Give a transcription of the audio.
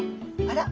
あら？